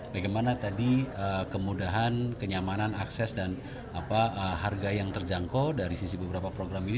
bagaimana tadi kemudahan kenyamanan akses dan harga yang terjangkau dari sisi beberapa program ini